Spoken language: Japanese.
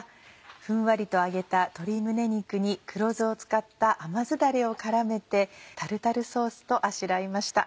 ふんわりと揚げた鶏胸肉に黒酢を使った甘酢ダレを絡めてタルタルソースとあしらいました。